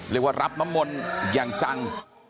เรียกว่ารับน้ำมนต์อย่างจัง